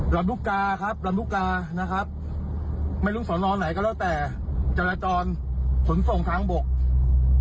ลำพุการณ์ครับลำพุกรานะครับไม่รู้สนองไหนก็แล้วแต่จัลลัยจอนสนทรงทางบก